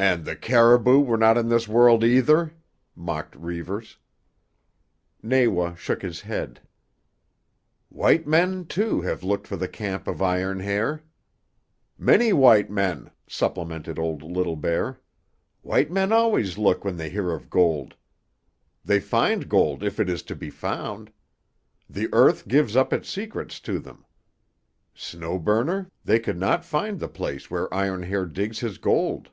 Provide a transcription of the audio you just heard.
'" "And the caribou were not in this world, either?" mocked Reivers. Nawa shook his head. "White men, too, have looked for the camp of Iron Hair." "Many white men," supplemented old Little Bear. "White men always look when they hear of gold. They find gold if it is to be found. The earth gives up its secrets to them. Snow Burner, they could not find the place where Iron Hair digs his gold."